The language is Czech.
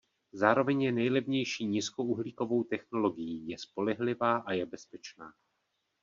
Zároveň je nejlevnější nízkouhlíkovou technologií, je spolehlivá a je bezpečná.